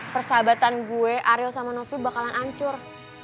persahabatan gue ariel sama novi bakalan hancur